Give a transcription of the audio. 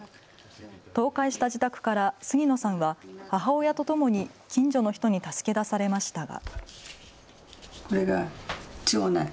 倒壊した自宅から杉野さんは母親とともに近所の人に助け出されましたが。